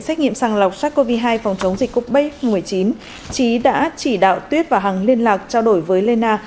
xét nghiệm sàng lọc sars cov hai phòng chống dịch covid một mươi chín trí đã chỉ đạo tuyết và hằng liên lạc trao đổi với lê na